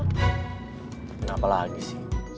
kenapa lagi sih